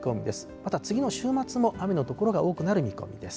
また次の週末も雨の所が多くなる見込みです。